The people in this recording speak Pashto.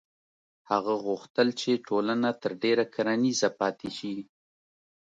هغه غوښتل چې ټولنه تر ډېره کرنیزه پاتې شي.